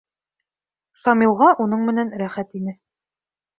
Шамилға уның менән рәхәт ине.